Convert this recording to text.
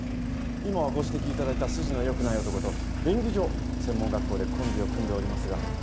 今はご指摘頂いた筋の良くない男と便宜上専門学校でコンビを組んでおりますが。